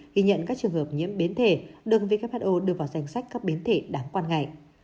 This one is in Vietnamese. ghi nhận các trường hợp nhiễm biến thể đường who đưa vào danh sách các biến thể đáng quan ngại